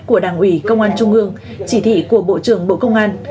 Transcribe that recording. của đảng ủy công an trung ương chỉ thị của bộ trưởng bộ công an